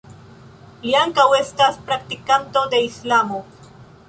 Li ankaŭ estas praktikanto de islamo.